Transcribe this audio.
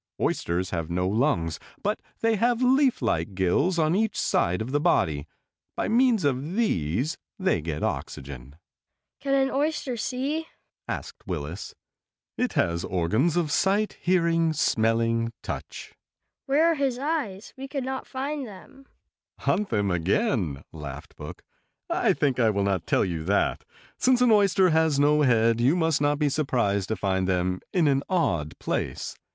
Oysters have no lungs, but they have leaf like gills on each side of the body. By means of these they get oxygen." "Can an oyster see?" asked Willis. "It has organs of sight, hearing, smelling, touch." "Where are his eyes? We could not find them." "Hunt them again," laughed Book. "I think that I will not tell you that. Since an oyster has no head you must not be surprised to find them in an odd place.